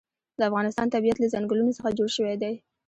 د افغانستان طبیعت له ځنګلونه څخه جوړ شوی دی.